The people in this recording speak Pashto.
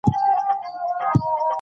زموږ بیرغ د ملي یووالي نښه ده.